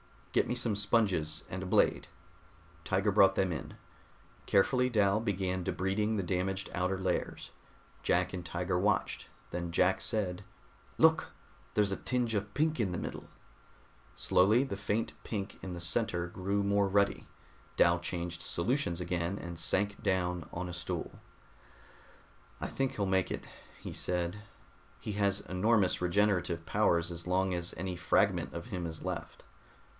"Get me some sponges and a blade." Tiger brought them in. Carefully Dal began debriding the damaged outer layers. Jack and Tiger watched; then Jack said, "Look, there's a tinge of pink in the middle." Slowly the faint pink in the center grew more ruddy. Dal changed solutions again, and sank down on a stool. "I think he'll make it," he said. "He has enormous regenerative powers as long as any fragment of him is left."